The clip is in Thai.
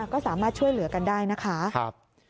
ก็สามารถช่วยเหลือกันได้นะคะ